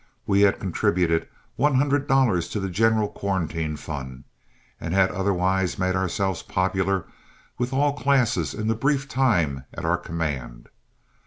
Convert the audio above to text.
We had contributed one hundred dollars to the general quarantine fund, and had otherwise made ourselves popular with all classes in the brief time at our command.